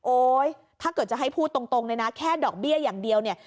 ถ้าเกิดจะให้พูดตรงเลยนะแค่ดอกเบี้ยอย่างเดียวเนี่ย